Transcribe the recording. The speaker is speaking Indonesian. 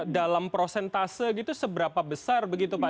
dalam prosentase gitu seberapa besar begitu pak